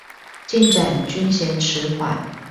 進展均嫌遲緩